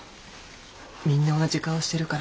みんな同じ顔してるから。